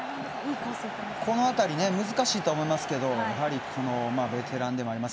この辺り難しいとは思いますけどやはり、ベテランでもあります